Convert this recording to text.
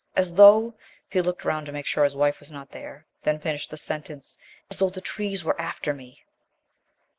As though " he looked round to make sure his wife was not there, then finished the sentence "as though the trees were after me!"